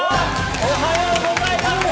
おはようございます。